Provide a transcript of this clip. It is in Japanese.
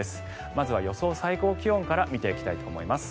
まずは予想最高気温から見ていきたいと思います。